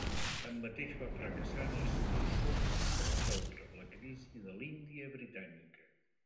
Tanmateix va fracassar en els seus esforços per resoldre la crisi de l'Índia britànica.